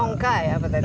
pongkai apa tadi